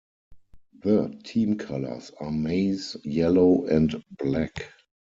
The team colours are maize yellow and black.